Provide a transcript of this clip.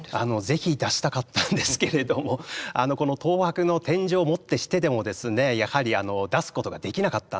是非出したかったんですけれどもこの東博の天井をもってしてでもですねやはり出すことができなかったんです。